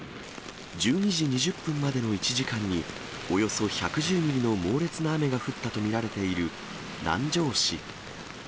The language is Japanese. １２時２０分までの１時間に、およそ１１０ミリの猛烈な雨が降ったと見られている南城市。